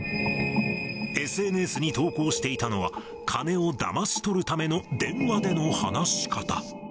ＳＮＳに投稿していたのは、金をだまし取るための電話での話し方。